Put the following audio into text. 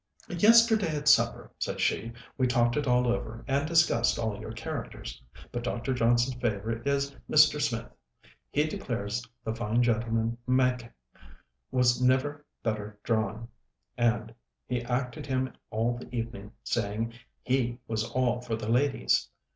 "Yesterday at supper," said she, "we talked it all over, and discussed all your characters; but Dr. Johnson's favorite is Mr. Smith. He declares the fine gentleman manqué was never better drawn, and he acted him all the evening, saying 'he was all for the ladies!'